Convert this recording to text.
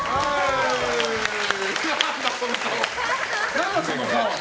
何だその顔！